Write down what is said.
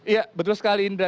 ya betul sekali indra